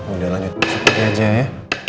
udah lah nyetuk nyetuk aja ya